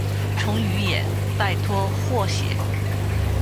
淳于衍拜托霍显。